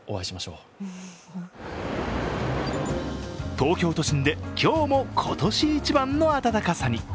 東京都心で今日も今年一番の暖かさに。